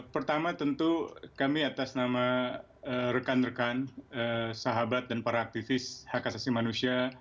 pertama tentu kami atas nama rekan rekan sahabat dan para aktivis hak asasi manusia